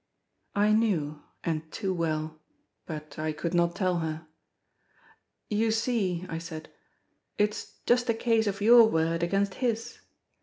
I knew—and too well; but I could not tell her. "You see," I said, "it's just a case of your word against his."